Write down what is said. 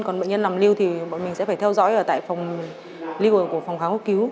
còn bệnh nhân làm lưu thì bọn mình sẽ phải theo dõi ở tại phòng lưu hồ của bệnh nhân